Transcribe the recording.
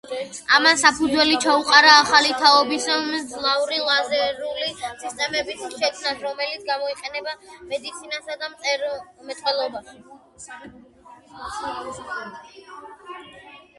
ამან საფუძველი ჩაუყარა ახალი თაობის მძლავრი ლაზერული სისტემების შექმნას, რომელიც გამოიყენება მედიცინასა და მრეწველობაში.